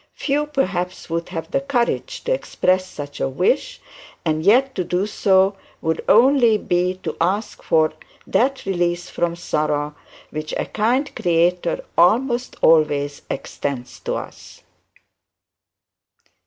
Few perhaps would have the courage to express such a wish, and yet to do so would only be to ask for that release from sorrow, which a kind Creator almost always extends to us.